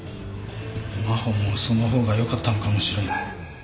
真帆もその方がよかったのかもしれない。